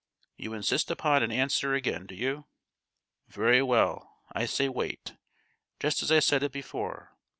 You insist upon an answer again, do you? Very well, I say wait, just as I said it before.